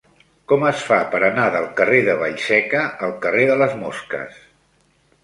Com es fa per anar del carrer de Vallseca al carrer de les Mosques?